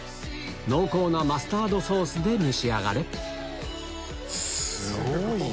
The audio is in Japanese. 濃厚なマスタードソースで召し上がれすごいな。